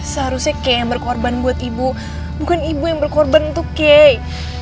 seharusnya kayak yang berkorban buat ibu bukan ibu yang berkorban untuk kay